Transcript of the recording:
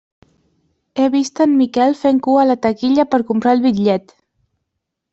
He vist en Miquel fent cua a la taquilla per comprar el bitllet.